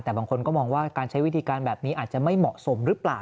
แต่บางคนก็มองว่าการใช้วิธีการแบบนี้อาจจะไม่เหมาะสมหรือเปล่า